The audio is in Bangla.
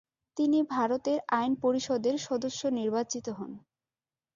তিনি ভারতের আইন পরিষদের সদস্য নির্বাচিত হন।